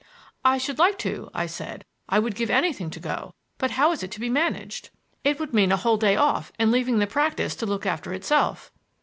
"I should like to," I said. "I would give anything to go; but how is it to be managed? It would mean a whole day off and leaving the practise to look after itself."